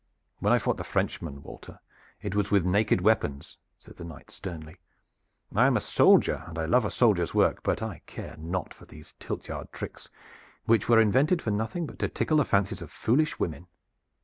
"When I fought the Frenchman, Walter, it was with naked weapons," said the knight sternly. "I am a soldier and I love a soldier's work, but I care not for these tiltyard tricks which were invented for nothing but to tickle the fancies of foolish women."